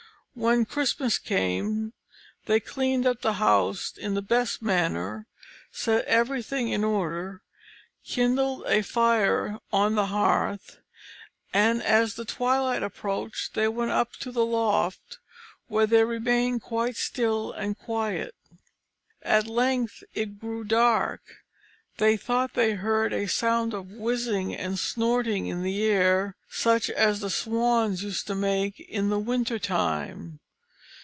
When Christmas came, they cleaned up the house in the best manner, set everything in order, kindled a fire on the hearth, and as the twilight approached they went up to the loft, where they remained quite still and quiet. At length it grew dark; they thought they heard a sound of whizzing and snorting in the air, such as the swans used to make in the winter time.